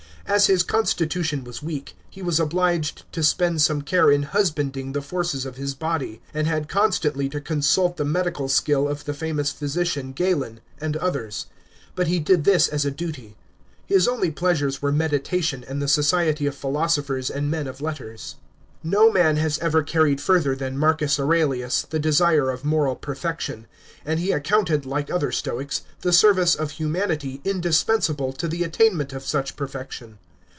As his constitution was weak, he was obliged to spend some care in husbanding the forces of his body, and had constantly to consult the medical skill of the famous physician Galen, and others ; but he did this as a duty. His only pleasures were meditation and the society of philosophers and men of letters. No man has ever carried further than Marcus Aurelius the desire of moral perfection, and he accounted, like other Stoics, the service of humanity indispensable to the attainment of such perfection.